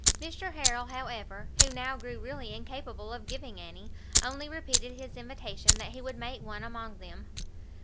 Mr Harrel, however, who now grew really incapable of giving any, only repeated his invitation that he would make one among them.